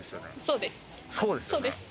そうですよね。